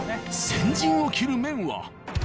先陣を切る麺は。